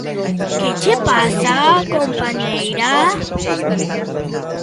–¿Que che pasa, compañeira?